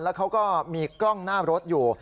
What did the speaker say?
แล้วเขาก็มีกล้องหน้ารถอยู่